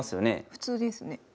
普通ですね。